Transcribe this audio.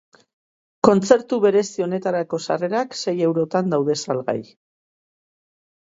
Kontzertu berezi honetarako sarrerak sei eurotan daude salgai.